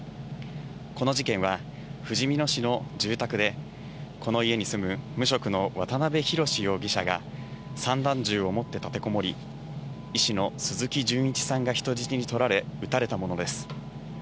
この事件は、ふじみ野市の住宅で、この家に住む無職の渡辺宏容疑者が、散弾銃を持って立てこもり、医師の鈴木純一さんが人質に取られ、撃たれたものです。